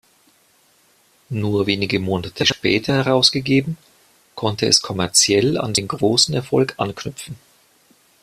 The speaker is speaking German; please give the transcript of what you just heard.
Nur wenige Monate später herausgegeben, konnte es kommerziell an den großen Erfolg anknüpfen.